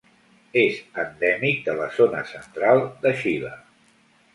És endèmic de la Zona Central de Xile.